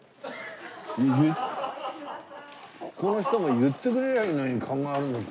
ここの人も言ってくれりゃいいのにカゴがあるんだって。